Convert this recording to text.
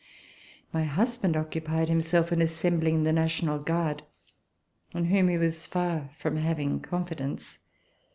My husband occupied himself in assembling the National Guard, in whom he was far from having confidence.